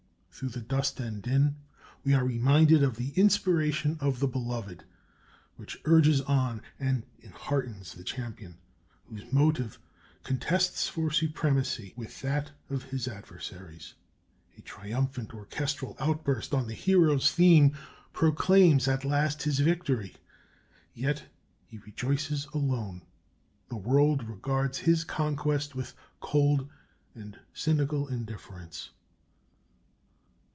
Through the dust and din we are reminded of the inspiration of the beloved, which urges on and enheartens the champion, whose motive contests for supremacy with that of his adversaries. A triumphant orchestral outburst on the Hero's theme proclaims at last his victory. Yet he rejoices alone the world regards his conquest with cold and cynical indifference.